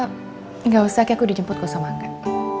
eh gak usah kik aku dijemput kosong banget